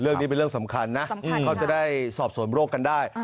เรื่องนี้เป็นเรื่องสำคัญนะเขาจะได้สอบสวนโรคกันได้